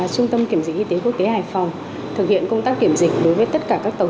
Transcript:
trung tâm kiểm dịch y tế quốc tế hải phòng thực hiện công tác kiểm dịch đối với tất cả các tàu